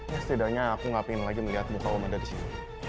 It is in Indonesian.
ya setidaknya aku gak pengen lagi melihat muka om ada di sini